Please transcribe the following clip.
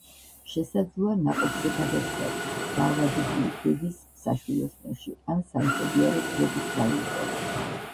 შესაძლოა ნაყოფზე გადასვლაც დაავადებული დედის საშვილოსნოში ან სამშობიარო გზების გავლისას.